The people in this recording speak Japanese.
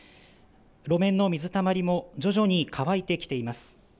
路面の水たまりも徐々に乾いてきています。